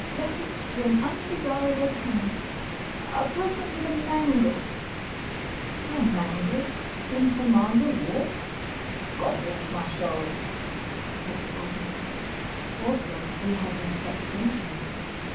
Let it to an undesirable tenant: a person with a mangle." A mangle in Pomander Walk! "Gobblessmysoul!" said the Admiral. Also he had been set thinking.